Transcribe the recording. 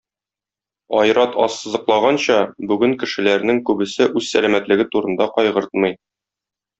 Айрат ассызыклаганча, бүген кешеләрнең күбесе үз сәламәтлеге турында кайгыртмый.